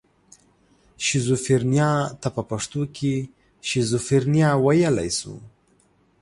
شیزوفرنیا ته په پښتو کې شیزوفرنیا ویلی شو.